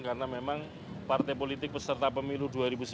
karena memang partai politik beserta pemilu dua ribu sembilan belas